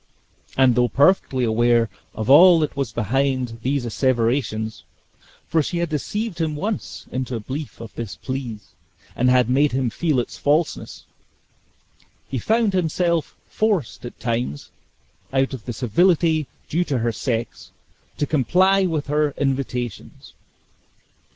And though perfectly aware of all that was behind these asseverations (for she had deceived him once into a belief of this please, and had made him feel its falseness), he found himself forced at times, out of the civility due to her sex, to comply with her invitations.